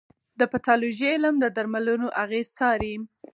د پیتالوژي علم د درملو اغېز څاري.